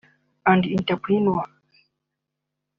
and entrepreneurial